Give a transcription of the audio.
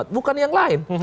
bukan yang lain